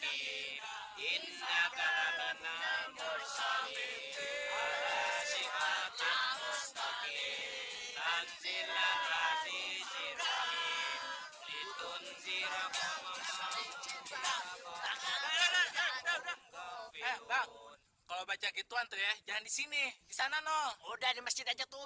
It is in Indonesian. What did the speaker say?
hai punjil apa masalahnya kalau baca gitu ya jangan di sini sana no udah di masjid aja tuh